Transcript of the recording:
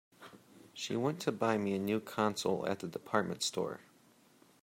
She went to buy me a new console at the department store.